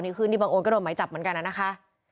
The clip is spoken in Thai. นี่บังออนก็โดนไหมจับเหมือนกัน